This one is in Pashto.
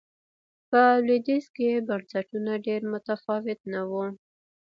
په لوېدیځ کې بنسټونه ډېر متفاوت نه و.